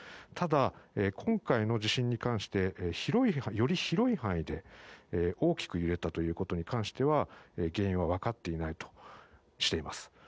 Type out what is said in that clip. ただ、今回の地震に関してより広い範囲で大きく揺れたということに関しては原因は分かっていないとしています。